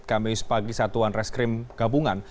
kamis pagi satu an reskrim gabungan